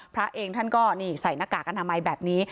พระเองท่านก็นี่ใส่หน้ากากอนามัยแบบนี้